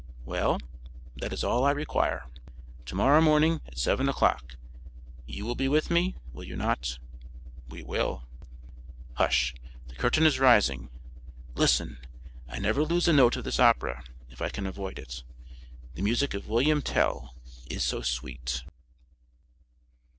"Well? that is all I require. Tomorrow morning, at seven o'clock, you will be with me, will you not?" "We will." "Hush, the curtain is rising. Listen! I never lose a note of this opera if I can avoid it; the music of William Tell is so sweet."